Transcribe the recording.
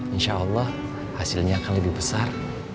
insya allah hasilnya akan lebih besar